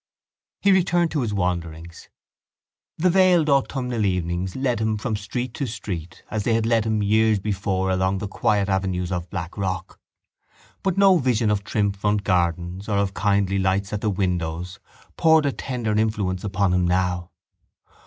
He returned to his wanderings. The veiled autumnal evenings led him from street to street as they had led him years before along the quiet avenues of Blackrock. But no vision of trim front gardens or of kindly lights in the windows poured a tender influence upon him now.